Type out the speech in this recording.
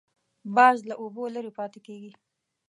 باز له اوبو لرې پاتې کېږي